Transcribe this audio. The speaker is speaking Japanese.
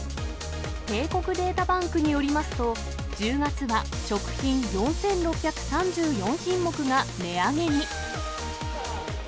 帝国データバンクによりますと、１０月は食品４６３４品目が値上げに。